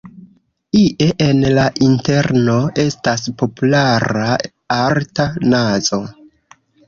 Ie en la interno estas populara arta nazo.